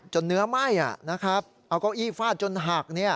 จนเนื้อไหม้เอากล้องอี้ฟาดจนหัก